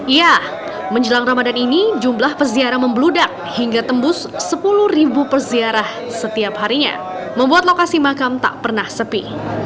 iya menjelang ramadhan ini jumlah pesiarah membeludak hingga tembus sepuluh ribu pesiarah setiap harinya membuat lokasi makam tak pernah sepi